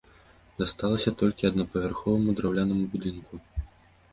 Дасталася толькі аднапавярховаму драўлянаму будынку.